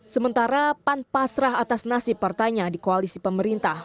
sementara pan pasrah atas nasib partainya di koalisi pemerintah